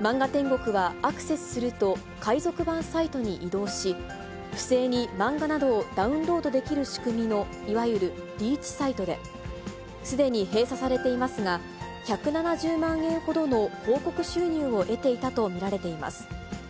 漫画天国は、アクセスすると、海賊版サイトに移動し、不正に漫画などをダウンロードできる仕組みのいわゆる、リーチサイトで、すでに閉鎖されていますが、１７０万円ほどの広告収入を得ていたと見られています。